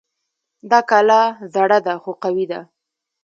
دا کلا زړه ده خو قوي ده